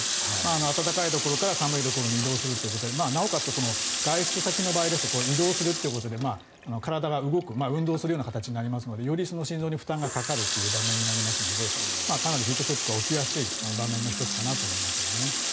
暖かいところから寒いところに移動するということでなおかつ外出先の場合ですと移動するということで体が動く運動するような形になりますのでより心臓に負担がかかる場面になりますのでかなりヒートショックは起きやすい場面の１つかなと思いますね。